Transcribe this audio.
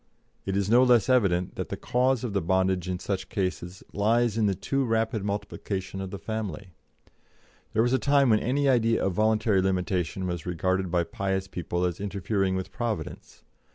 It is no less evident that the cause of the bondage in such cases lies in the too rapid multiplication of the family. There was a time when any idea of voluntary limitation was regarded by pious people as interfering with Providence.